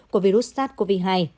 của virus sars cov hai